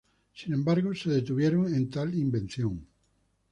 Sin embargo, se detuvieron en tal invención.